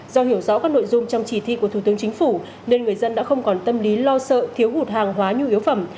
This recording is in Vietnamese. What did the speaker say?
do hiểu rõ các nội dung trong chỉ thi của thủ tướng chính phủ nên người dân đã không còn tâm lý lo sợ thiếu hụt hàng hóa nhu yếu phẩm